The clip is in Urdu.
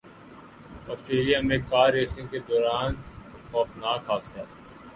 اسٹریلیا میں کارریسنگ کے دوران خوفناک حادثہ